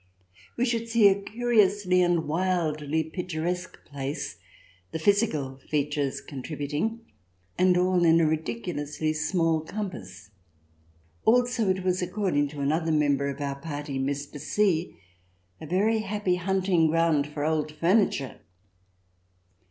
We should see a curiously and wildly picturesque place, the physical features contributing, and all in a ridicu lously small compass. Also it was, according to another member of our party, Mr. C , a very happy hunting ground for old furniture.